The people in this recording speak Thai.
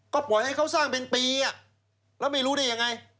ก็ปล่อยให้เขาสร้างเป็นปีแล้วไม่รู้ได้ยังไง